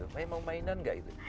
pak mau mainan nggak itu